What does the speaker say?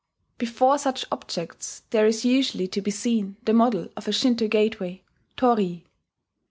Before such objects there is usually to be seen the model of a Shinto gateway, torii....